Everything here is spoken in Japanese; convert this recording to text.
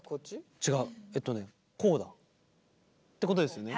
えっとねこうだ。ってことですよね？